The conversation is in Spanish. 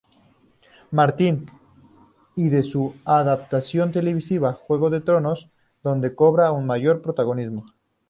Martin y de su adaptación televisiva "Juego de tronos", donde cobra un mayor protagonismo.